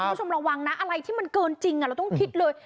คุณผู้ชมระวังนะอะไรที่มันเกินจริงเราต้องคิดเลย